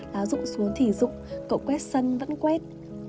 lá rụm xuống thì rụm cậu quét sân vẫn quét